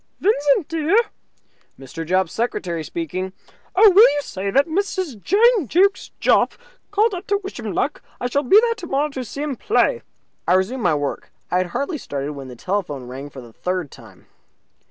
"Vincent, dear?" "Mr. Jopp's secretary speaking." "Oh, will you say that Mrs. Jane Jukes Jopp called up to wish him luck? I shall be there tomorrow to see him play." I resumed my work. I had hardly started when the telephone rang for the third time.